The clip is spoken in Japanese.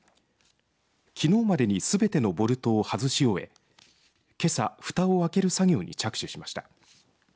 きのうまでにすべてのボルトを外し終えけさ、ふたを開ける作業に着手しました。